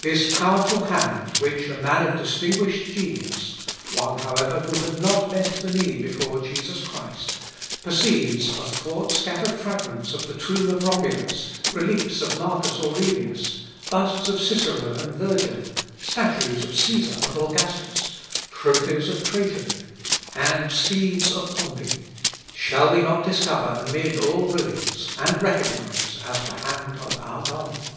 This powerful hand, which a man of distinguished genius, one, however, who had not bent the knee before Jesus Christ, perceives athwart scattered fragments of the tomb of Romulus, reliefs of Marcus Aurelius, busts of Cicero and Virgil, statues of Cæsar and Augustus, trophies of Trajan, and steeds of Pompey, shall not we discover amid all ruins, and recognise as the hand of our God?